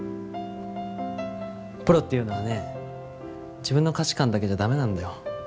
プロっていうのはね自分の価値観だけじゃダメなんだよ。